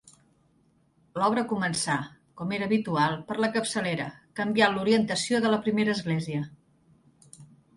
L'obra començà, com era habitual, per la capçalera, canviant l'orientació de la primera església.